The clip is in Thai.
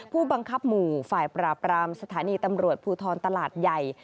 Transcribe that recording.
ผู้บังคับหมู่ฝ่ายปราบรามสถานีตำรวจภูทรตลาดใหญ่